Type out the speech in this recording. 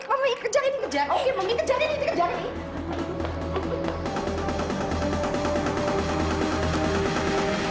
oke mami kejarin kejarin oke mami kejarin kejarin